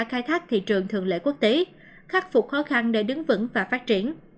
khai thác thị trường thường lễ quốc tế khắc phục khó khăn để đứng vững và phát triển